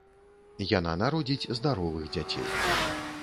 Яна народзіць здаровых дзяцей.